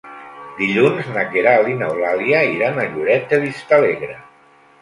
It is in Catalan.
Dilluns na Queralt i n'Eulàlia iran a Lloret de Vistalegre.